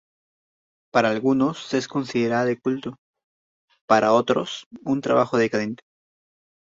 Para algunos es considerada de culto, para otros, un trabajo decadente.